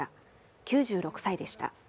９６歳でした。